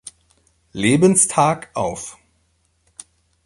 Lebenstag auf.